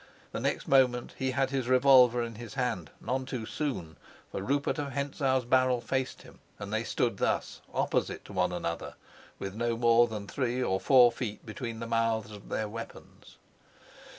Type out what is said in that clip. The next moment he had his revolver in his hand none too soon, for Rupert of Hentzau's barrel faced him, and they stood thus, opposite to one another, with no more than three or four feet between the mouths of their weapons.